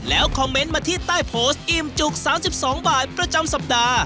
แล้วคอมเมนต์มาที่ใต้โพสต์อิ่มจุก๓๒บาทประจำสัปดาห์